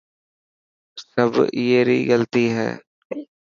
سب ائي ري غلطي هي.